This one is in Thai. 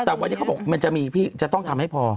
แต่วันนี้เขาบอกมันจะมีพี่จะต้องทำให้พอ